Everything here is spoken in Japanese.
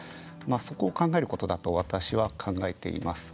そこを考えることだと私は考えています。